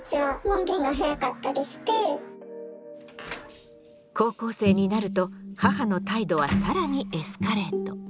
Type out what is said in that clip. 高校生になると母の態度は更にエスカレート。